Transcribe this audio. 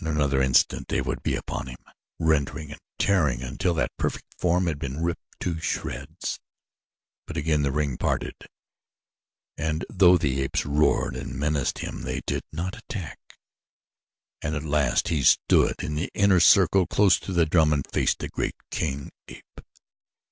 In another instant they would be upon him, rending and tearing until that perfect form had been ripped to shreds; but again the ring parted, and though the apes roared and menaced him they did not attack, and at last he stood in the inner circle close to the drum and faced the great king ape.